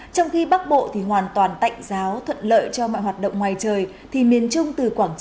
tối còn ban ngày có nắng yếu